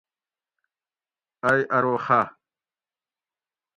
ائ ارو خہ